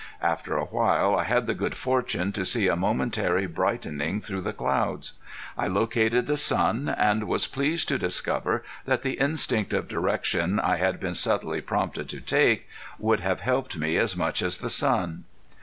After a while I had the good fortune to see a momentary brightening through the clouds. I located the sun, and was pleased to discover that the instinct of direction I had been subtly prompted to take, would have helped me as much as the sun.